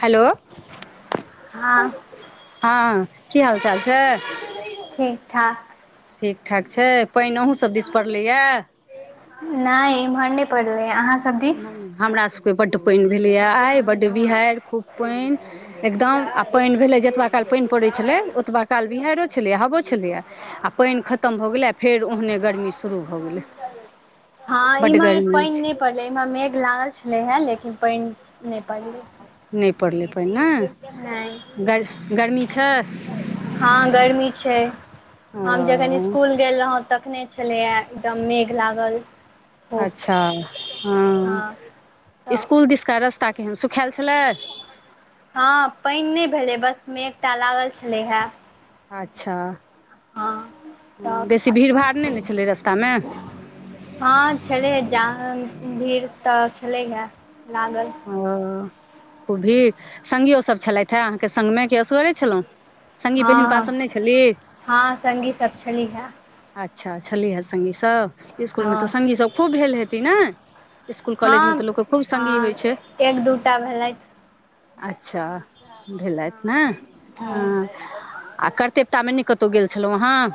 Hello. हँ हाॅं, की हाल चाल छै। ठीक ठाक। ठीक ठाक छै, पानि अहूँ सब दिस पड़लैये। नैं इमहर नैं पड़लैये, अहाँ। सब दिस हमरा सबके बड पैन भेलैये आइ, बड बिहाड़ि खूब पैन। एकदम आ पानि भेलैय जतबा काल पैन पड़ै छलै ओतबा काल बिहारियो छलैए हबो छलैये। आ पानि खत्म भऽ गेलै आ फेर ओहने गर्मी शुरू भऽ गेलै। हाॅं बड्ड इम्हर गर्मी पानि छै नहि पड़लै, एम्हर मेघ लागल छलैये लेकिन पानि नहि पड़लै। नहि पड़लैय पैन नहि नै, गर्मी छै। हाॅं गर्मी छै। हम जखन ओ स्कूल गेल रहौं तखने छलैये एकदम मेघ लागल। खूब अच्छा हाॅं हँ तऽ स्कूल दिसका रास्ता केहन, सुखायल छलै। हाॅं पानि नहि भेलैय बस मेंघ टा लागल छलैहे। अच्छा, तऽ बेसी भीड़ भाड़ नहि ने छलै रस्तामे। हाॅं छलैे जाम भीड़ तऽ छलैहे लागल। ओ भीर सङ्गियो सब छलथि हे, अहाँके सङ्गमे कि असगरे छलहुॅं। हाॅं-हाॅं-हाॅं सङ्गी सब छलीहे। अच्छा छलीहे सङ्गी सब, स्कूलमे तऽ हँ सङ्गी सब खूब भेल हेती नै? स्कूल कॉलेज मे तऽ हँ लोक के खूब संगी हँ होइ छै। एक दूटा भेलैथ। अच्छा, भेलैथ ने। हूँ हाॅं, आ करतेवतामे नहि कतहु गेल छलहुँ अहाॅं।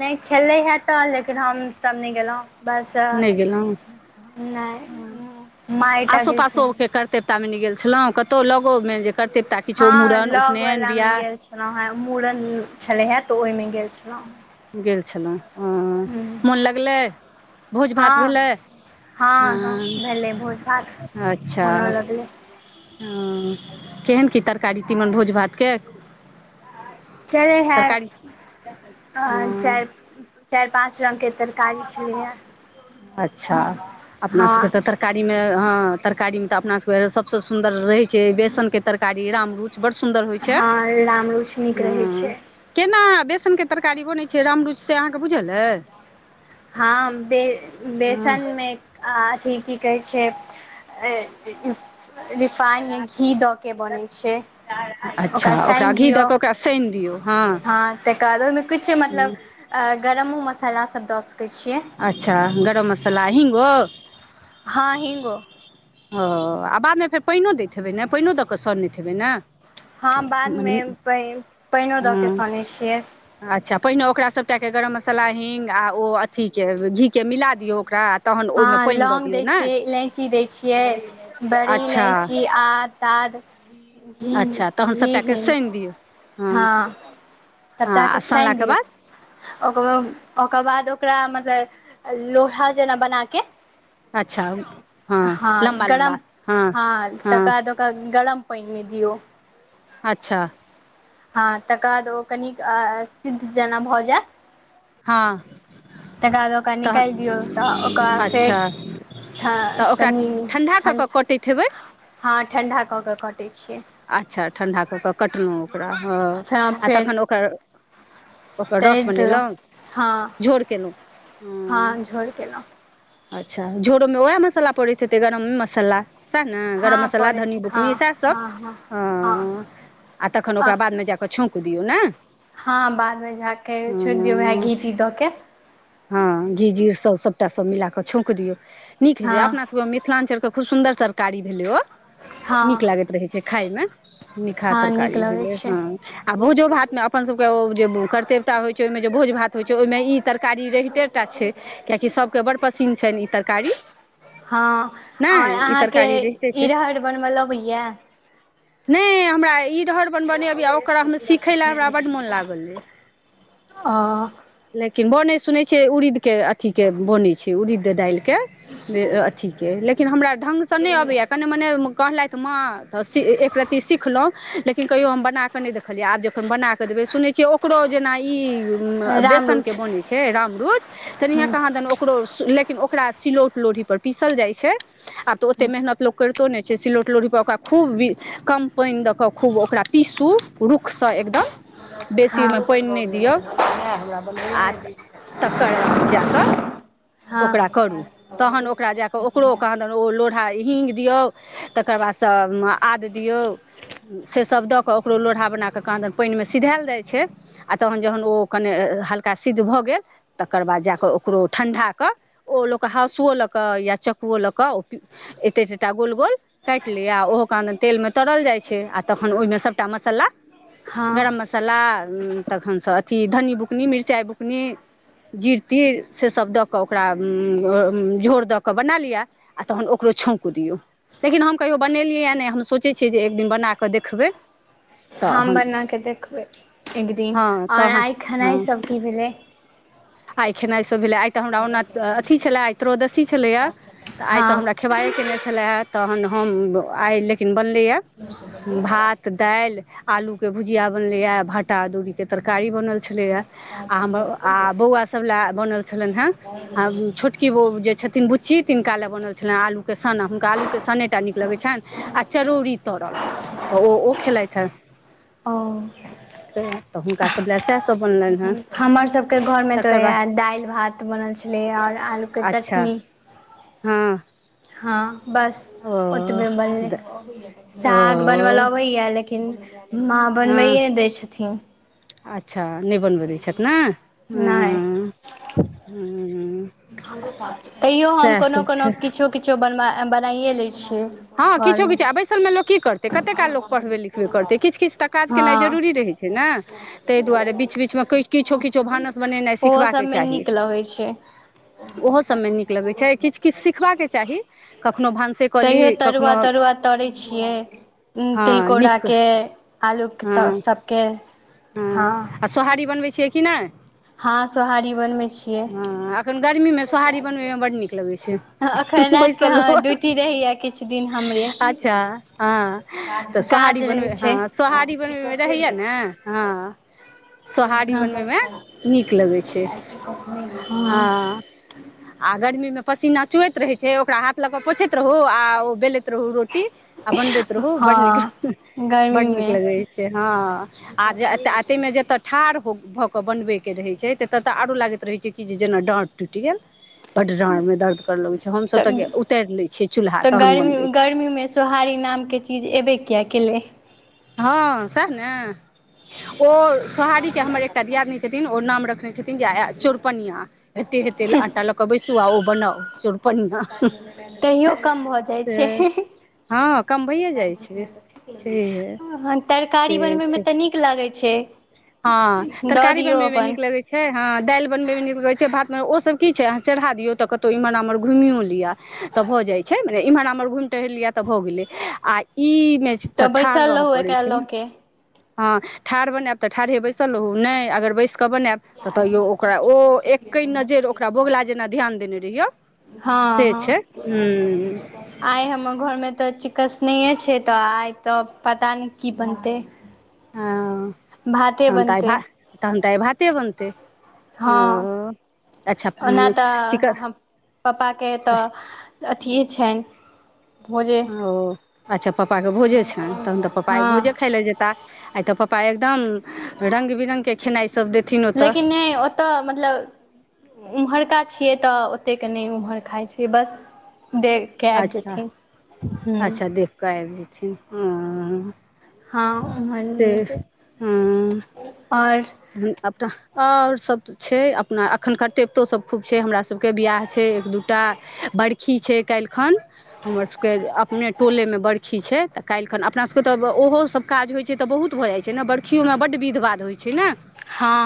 नहि छलै है तऽ, लेकिन हमसभ नहि गेलहुँ। बस नहि गेलहुँ नहि, मां ए टा आसो गेलखिन। पासोके करतेवतामे नहि गेल छलहुँ, कतौ लगोमे जे करतेवता किछो मूड़न, उपनयन, बिआह। हाॅं मूड़न छलै हे तऽ ओहिमे गेल छलहुँ। गेल छलहुँ ओ हूँ मोन लगलै, भोज-भात हँ भेलै। हँ हँ हाॅं, भेलै भोज भात अच्छा। मोनो लगलै हाॅं, केहन की तरकारी तीमन भोज भातके। छलैहे, तरकारी हँ चारि चारि- पाँच रंग के तरकारी। छलैए अच्छा अपना सभके हँ तऽ तरकारी में त तरकारी मे त अपना सब के सबसे सुंदर रहे छै, बेसन के तरकारी रामरूच। बड सुन्दर होइ छै, हँ राम रुच नीक रहै हूॅं। छै केना बेसनके तरकारी बनैत छै, राम रुच से अहाँके बुझल अछि। हाॅं बे हँ बेसनमे अथि कि कहै छै रिफाइन या घी दऽ के बनै छै। अच्छा ओकरा साइन घी दियौ, दऽ कऽ ओकरा सानि दियौ हँ हाॅं तकर बाद ओहिमे किछ मतलब गरमो मसाला सब दऽ सकैत छियै। अच्छा गरम मसाला हिंगो। हाॅं, हिंगो। ओ आ बादमे फेर पइनो दैत हेबै ने पइनो दऽ कऽ सनैत हेबै ने। हाॅं मने बादमे पइनओ दऽ के हँ सनैत छियै। अच्छा पहिने ओकरा सभटाके गरम मसाला हिंग आ ओ अथीके घीके मिला दियो ओकरा तहन ओहिमे हाॅं पानि दऽ लौंग दियौ दैय ने छिये इलाय इची दैय छियै, बड़ी अच्छा इलायची आद ताद घी अच्छा तखन घी सभटा के हिंग सानि दियौ, हाॅं हँ हाॅं आ सभटाके सानि सनलाके दियौ बाद ओकर, ओकर बाद ओकरा मतलब लोढा जेना बना के अच्छा हँ हाॅं लम्बा गरम लम्बा हँ हाॅं हँ तकर बाद तऽ गरम पइनमे दियौ। अच्छा। हाॅं तकर बाद ओ कनिक सिद्ध जेना भऽ जायत हाॅं। तकर बाद ओकरा निकालि दियौ तऽ ओकरा तखन फेर अच्छा, तऽ ओकरा कनि ठंडा कऽ के कटैत हेबै। हाॅं ठण्डा कऽ केऽ कटै छियै। अच्छा ठण्डा कऽ कऽ कटलहुँ ओकरा, हाॅं फेर आ फेर तखन ओकरा ओकर तरि रस देलहुँ बनेलहुँ हँ झोड़ केलहुँ, हाॅं। झोड़ केलहुँ। अच्छा झोड़ोमे वैह मसाला पड़ैत हेतै, गरमे मसाला। सैह ने गरम हँ मसाला, पड़ै धनी छै हँ बुकनी सएह सब, हँ हँ हाॅं। आ तखन ओकरा बादमे जा कऽ छौंक दियौ, नै। हाॅं बादमे जाके छौंक दियौ, वैह घी टी दऽ के। हाॅं, घी जीर सभ सभटा, सभ मिला कऽ छौंक दियौ। सीख लियऽ, हँ अपना सब के मिथिलांचल के खूब सुन्दर तरकारी भेलै ओ, नीक हँ लागैत रहे छै। खाइमे, निकहा हँ नीक तरकारी लगै भेलै, छै हाँ। आ भोजो भातमे अपन सभके ओ जे कर्तेवता होइ छै, ओहिमे जे भोज भात होइ छैय ओहिमे ई तरकारी रहिते ते टा छै कियाकि सबके बड़ पसिन्न छनि ई तरकारी। हाँ नहि और ई अहाँके तरकारी रहिते छै इरहड़ बनबै लऽ अबैये। नै हमरा इरहड़ बनबऽ नै अबैये, ओकरा सिखऽ ले हमरा बड मोन लागल अछि। ओ लेकिन बनै सुनैत छियै उड़ीदके अथीके बनैत छैय उड़ीद दालिके अथिके लेकिन हमरा ढंगसे नहि अबैये। कनी मनी कहलथि माँ तऽ एकरति सिखलहुँ, लेकिन कहियो हम बना कऽ नहि देखलियै आब जखन बना क देबै, सुनै छियै ओकरो जेना ई बेसनके रामरुच बनै छै रामरुच, तहिना हँ कहाँदन ओकरो लेकिन ओकरा सिलौट लोढ़ी पर पीसल जाइ छै, आब तऽ ओते मेहनत लोक करितो नहि छै, सिलौट लोढ़ी पर ओकरा खूब कम पानि दऽ कऽ खूब ओकरा पीसू, रुखसँ एकदम बेसी हँ ओहिमे पानि नहि दियौ आ तकर बाद जाकऽ ओकरा अहाँके करू, तखन ओकरा जा कऽ ओकरो कहां ओ लोढ़ा ही्ंग दियौ तकर बादसँ आद दियौ से सभ दऽ कऽ ओकरो लोढ़ा बना कऽ कहांदन पानिमे सिझायल जाइ छैय आ तखन जखन ओ कने हल्का सिद्ध भऽ गेल तकर बाद जा कऽ ओकरो ठंडाके ओ लोक हाँसुओ लऽ कऽ या चकुओ लऽ कऽ ओ एते तटा गोल-गोल काटि लीयऽ ओहो कहादन तेलमे तरल जाइ छैय आ तहन ओहिमे सभटा मसाला हँ गरम मस सला तखनसँ अथी धन्नी बुकनी मिरचाइ बुकनी जिर तीर सेसभ द क ओकरा झोर द क बना लिअ आ तहन ओकरो छौंक दियौ। लेकिन हम कहियो बनेलियै ये नय हम सोचै छियै जे एक दिन बना क देखबै। हम बनाके देखबय एक दिन हँ और तऽ आइ हँ खेनाइ सब की भेलैय। आइ खेनाइ सब भेलै आइ तऽ हमरा ओना अथी छले आइ त्रोदशी छलैया त आइ हँ तऽ हमरा ख खेबाये के नय छलै हे तहन हम आइ लेकिन बनलैया भात दाइल आलू के भुजिया बनलैये, भटा अदौरी के तरकारी बनल छलैये या हमर आ बौआ सब लऽ बनल छलन हें आ छोट की ओ जे छथिन बुच्ची तिनका लए बनल छलनि आलूके सना हुनका आलूके सनेटा नीक लगै छैन। आ चरौड़ी तरल त ओ ओ खेलथि है। ओ त हुनका सब लए सएह सब बनलनि। हेँ हमर सबके घरमें त तकर बाद वएह दाइल भात बनल छलेय और अच्छा हाँ। हाँ बस ओतबे बनलै। साग बनबै ल ओ अबैया लेकिन माँ हँ बनबैए नहि दैय छथिन। अच्छा नहि बनबऽ दैय छथि न। नय। हूँ-हूँ। तैयो हम कोनो -कोनो छै किछो- किछो बन बनाइए लय छियै। हाँ किछो घरमे किछो आ बैसलमे लोक की करतै कतेक काल लोक पढ़बे लिखबे करतै किछ-किछ त काज केनाइ हँ जरूरी रहै छैय ने तय दुआरे बीच- बीचमे किछ- किछ भानस बनेनाइ ओहो सिखबाक सभमे चाही। नीक लगै छै ओहो सभमे नीक लगैय छैय किछ- किछ सीखबाक चाही कखनो भानसे क ली तैयो कखनो तरुआ- तरुआ तरय छियै। हँ नीक तिलकोराके आलूके हँ त सभके हाँ। हँ आ सोहारी बनबै छियै कि नय। हाँ सोहारी बनबै छियै। हँ एखन गर्मीमे सोहारी बनबैमे बड्ड नीक लगै छै अखन रातिके बैसल हाँ हुअ। ड्यूटी रहैये किछ। अच्छा हँ, त सोहारी काज बनब, रहै छै हँ सोहारी बनबैमे रहैया ने हँ। सोहारी हँ बनबैमे नीक लगै छैय, हँ हाँ। आ गर्मीमे पसीना चुएत रहैय छैय, ओकरा हाथ ल कऽ पोछैत रहू, आ ओ बेलैत रहू रोटी आ बनबैत रहू बड नीक हँ बड नीक गर्मीमे लगै छैय हँ, आ ए तेय मे जेतऽ ठाढ़ भऽ क बनबैके रहैय छैय ततऽ आरो लागैत रहै छैय कि जेना डाँड़ टुूटि गेल। बड डाँरमे दर्द करऽ लगैय छैय, हमसभ तऽ त उतैर लय छियै चूलहा। तऽ गर्मी, गर्मीमे सोहारी नामके चीज एबे किया केलै। हँ सेह ने ओ सोहारी के हमर एकटा दियादनी छथिन ओ नाम रखने छथिन जे आ चौरपनिया एते हेते आटा ल के बैसु आ ओ बनाउ। चोरपनिया तहियो कम भ जाइ से छैय। हँ कमबैए जाइ छै छैहे हँ तरकारी से बनबैमे छै त नीक लागैय छैय। हँ, तरकारी बनबे मे नीक लगय छैय छैय हँ दाइल बनबैमे नीक लगय छैय भातमे ओ सब की छैय अहाँ चढ़ा दियौ त कतौ इमहर आमहर घुमियो लिअ। त भ जाय छय छै, मने एम्हर आम्हर घुमि टहर लिय त भ गेलय, आ ई ने तऽ त ठाढ़ बैसल रह रहू परय एकरा छै लऽ न। के हँ, ठाढ़ बनायब त, ठाढ़े बैसल रहू, नहि अगर बैस क बनेब त तयो ओकरा, ओ एक्हि नजरि ओकरा, बोगुला जेना ध्यान देने रहियो। हँ से छै हुं आय हमर घर मे त चिक्स नहिये छै, त, आइ त पता ने की बनते, हँ, तहन तऽ आइ बनतै भा, तहन त आइ भाते बनतै। हँ, ओ अच्छा ओना तऽ, पापाके त चिकन अथिेये छनि, भोजे। ओ, अच्छा, पपाके भोजे छनि, तहन तऽ पप्पा आय हँ भोजे खाय ले जेताह। आय त पपा एकदम, रंग बिरंग के खेनाइ सब देथिन ओतऽ लेकिन नहि ओत मतलब ओम्हरका छियै त, ओतेक नहि ओम्हर खाय छय बस दे कैबजेथिन हूंउ कैल जेथिन [unintelligible] हंऽ उमहर नहि से रहतय, और हुंउ अब त और सभ त छै, अपना अखन करतेबतो सभ खूब छे, हमरा सभके, बियाह छै एक-दूटा। बरखी छै काल्हिखन, हमर सबके अपने टोलेमे बरखी छ। त काल्हि खन, अपना सबके तऽ, ओहो सभ काज होइ छै त, बहुत भ जाइ छै ने, बरखियो में बड्ड विध- बाध होइ छै न। हंअ।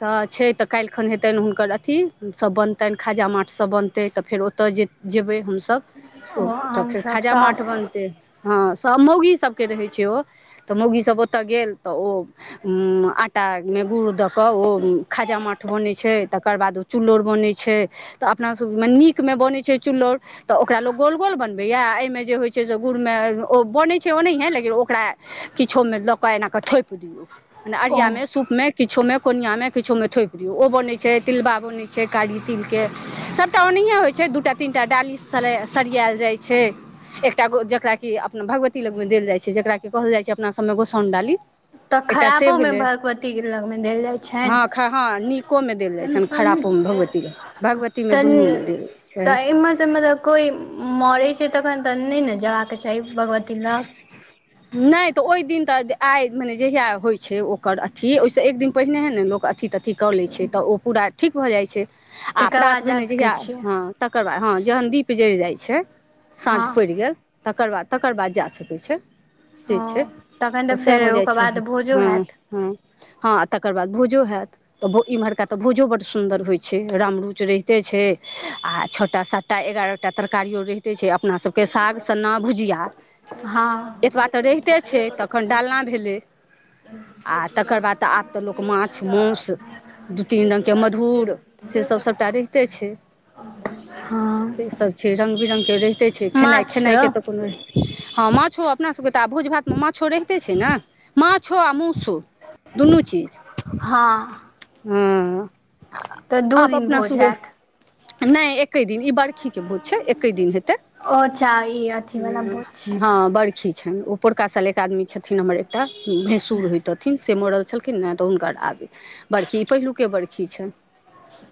त छै त, काल्हिखन हेतनि हुनकर अथी, सभ बनतनि खाजा माठ सभ बनतै, त फेर ओत जे जेबय हमसभ, ओ त फेर आमसभ खाजा सभ माठ बनतय। हँ, सब मौगी सबके रहै छै ओ। त, मौगी सब ओत गेल, तऽ ओ उं आ टाग मे गुड़ द क, ओ खाजामाठ बनय छै, तकर बाद ओ, चुल्लौर बनय छै। त अपनासभमे, नीकमे बनय छै चुल्लौर त ओकरा लोक गोल -गोल बनबये। एहिमे जे होय छै से गुड़मे ओ बनय छै ओनाहिये, लेकिन ओकरा किछो मे लक एनाक थोपि दियौ, मने ओ अरिया में सूपमे, किछो मे, कोनिया मे, किछो मे, थोपि दियौ, ओ बनै छै, तिलबा बनै छै, कारी तिलके। सभटा ओनाहिये होय छै, दूटा- तीन टा डाली सले सरियाएल जाय छै। एकटा गो जकरा की, अपना भगवती लगमे देल जाइ छै, जेकरा की कहल जाइ छै, अपना सबमे गोसाउनडाली। त खराबो में, भगवती के लग मे देल जाय हँ खर हँ नीको में देल जाय छैन, खरापो में भगवती ले, भगवती में दुनू में देल। छै त एम्हर त मतलब कोई मरै छै, तखन तऽ नै न जेबाक चाही, भगवती लग। [inaudible] नै त, ओय दिन त जे आइ मने जहिया होइ छै, ओकर अथी ओहि स एक दिन पहिनेहे न लोक अथी -त थी क लै छै त, ओ पूरा ठीक भ जाइ छै, आ तकर प्रात बाद जा भेने सकै जहिया छियै हंऽ तकर बाद, हँ जहन दीप जलि जाइ छै, साँझ हँ पड़ि गेल, तकर बाद -तकर बाद जा सकै छै। से हँ छै, तखन त तऽ सैह फेर भऽ जाइ ओकर छै, बाद भोजो हँऽ हैत हं हँ तकर बाद भोजो हैत। तऽ भो इम्हरका तऽ भोजो बड्ड सुन्दर होइ छै, राम रूच रहिते छै छय। आ छअटा, सातटा एगारह टा तरकारियो रहितै छै, अपना सबके साग, सन्ना, भुजिया। हँ एतबा तऽ रहिते छैय तखन डालना भेलै। आ मुठिये चूड़ा तकर बाद तऽ आब तऽ लोक मुठिये माछ चूड़ा माउस दू मुठिये तीन रङ्गके चूड़ा मुठिये मधुर दही से सब सबटा रहिते छैय हँ से सब से रंग बिरंग के रहिते छैय माछ खेनाइ-खेनाइ के तऽ कोनो हँ माछो अपना सभके तऽ आब भोज-भात में माछो रहिते छैय न माछो आ मउसो दुनू चीज। हाँ। हूँ दू आब दिन अपना भोज सब हैत के नहि एके दिन ई बरखी के भोज छैय एके दिन हेतै। ओ अच्छा ई अथीवला भोज हँ बड़खी छैन ओ पोरका साल एक आदमी छथिन हमर एकटा भैसुर होइत तथिन से मरल छलखिन हैं तऽ हुनकर आबे बरखी ई पहिलुके बरखी छैन।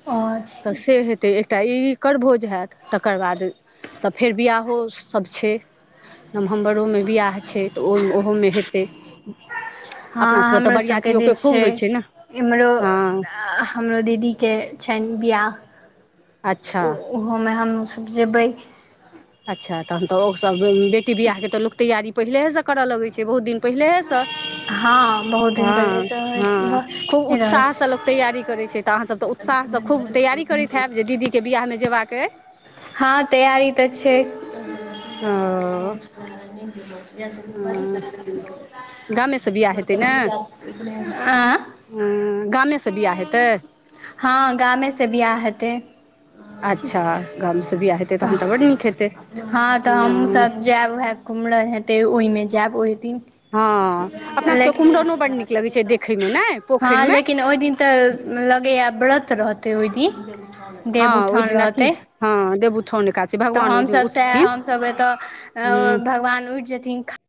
आओर तऽ से हेतै एकटा ई एकर भोज हैत तकर बाद तऽ फेर बियाह हो सब छैय। नवम्बरो में बिआह छैय तऽ ओ ओहो में हेतै। अपना हाँ सभके तऽ हमरो सबके बरियातियोके दिस खूब छैय होइ छै ने इम्हरो हँ हमरो दीदी के छैन बिआह। अच्छा। ओहो में हमुसब जेबै। अच्छा तहन तऽ ओ सब बेटी बियाह के तऽ लोक तैयारी पहिलेहे सऽ करऽ लगै छैय बहुत दिन पहिलेहे तऽ हँ बहुत दिन पहिले हँ से हँ खूब भए रहल उत्साह छै से लोक तैयारी करै छैय तऽ अहाँसभ तऽ उत्साहसँ खूब तैयारी करैत हैब जे दीदी के बियाह में जेबाक अइ। हँ तैयारी तऽ छैय ओ हँ गामेसँ बियाह हेतै ने [unintelligible] [unintelligible] आं हँ गामेसँ बियाह हेतै। हँ गामेसँ बियाह हेतै। आच्छा गाम सऽ बियाह हेतै तहन तऽ बड्ड नीक हेतै हँ। जैब वएह कुम्हरम हेतै ओय में जैब ओय दिन। हँ अपना सभके लेकिन कुम्हरनो बड नीक लगै छैय देखय में नहि पोखैर हँ में। लेकिन ओहि दिन तऽ लगैया व्रत रहतै ओय दिन हँ ओहि देबउठान दिन अथी रहतै। हँ देबउठान तऽ हमसब सैह हमसब एतऽ अ हूँ भगवान उइठ जेथिन।